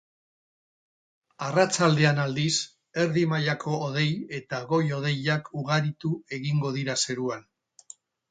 Arratsaldean aldiz, erdi mailako hodei eta goi-hodeiak ugaritu egingo dira zeruan.